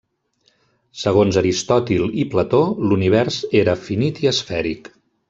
Segons Aristòtil i Plató, l'univers era finit i esfèric.